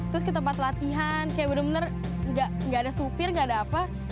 terus ke tempat latihan kayak bener bener gak ada supir gak ada apa